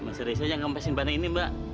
masa reza yang ngemesin panah ini mbak